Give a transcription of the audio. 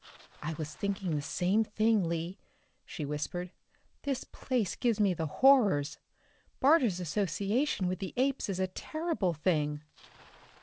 "I was thinking of the same thing, Lee," she whispered. "This place gives me the horrors. Barter's association with the apes is a terrible thing."